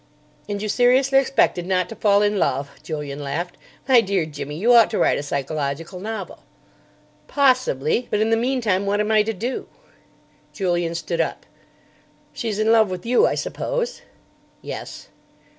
"And you seriously expected not to fall in love?" Julian laughed "My dear Jimmy, you ought to write a psychological novel." "Possibly. But, in the meantime, what am I to do?" Julian stood up. "She's in love with you, I suppose?" "Yes."